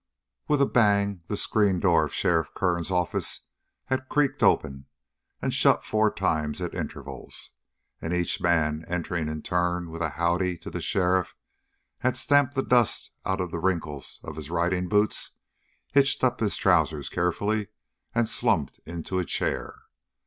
18 With a bang the screen door of Sheriff Kern's office had creaked open and shut four times at intervals, and each man, entering in turn with a "Howdy" to the sheriff, had stamped the dust out of the wrinkles of his riding boots, hitched up his trousers carefully, and slumped into a chair.